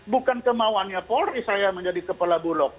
bukan kemauannya polri saya menjadi kepala bulog